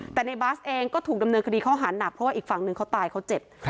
แต่ในบาสเองก็ถูกดำเนินคดีข้อหารหนักเพราะว่าอีกฝั่งหนึ่งเขาตายเขาเจ็บ